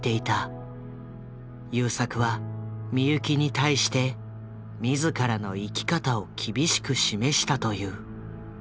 優作は美由紀に対して自らの生き方を厳しく示したという。